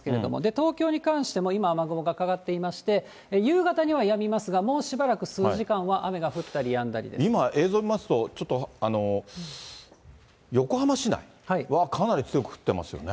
東京に関しても今、雨雲がかかっていまして、夕方にはやみますが、もうしばらく数時間は雨が降ったりやんだり今、映像見ますと、ちょっと横浜市内はかなり強く降ってますよね。